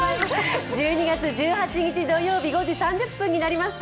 １２月１８日土曜日５時３０分になりました。